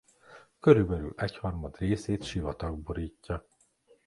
Körülbelül egyharmad részét sivatag borítja.